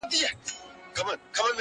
دغه لمر، دغه سپوږمۍ وه -